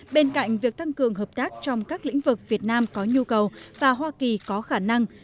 bên cạnh việc tăng cường hợp tác trong các lĩnh vực việt nam có nhu cầu và hoa kỳ có khả năng